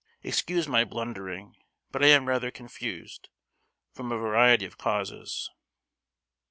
Excuse my blundering, but I am rather confused, from a variety of causes."